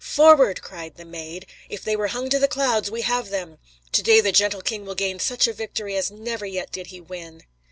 "Forward!" cried the Maid; "if they were hung to the clouds, we have them. Today the gentle king will gain such a victory as never yet did he win."